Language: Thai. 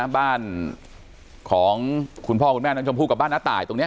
บ้านของคุณพ่อคุณแม่น้องชมพู่กับบ้านน้าตายตรงนี้